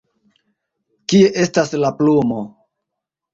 Kie estas la plumo?